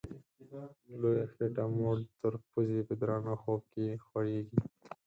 لویه خېټه موړ تر پزي په درانه خوب کي خوریږي